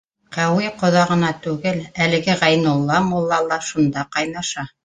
— Ҡәүи ҡоҙа ғына түгел, әлеге Ғәйнулла мулла ла шунда ҡайнаша.